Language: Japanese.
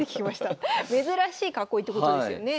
珍しい囲いってことですよね。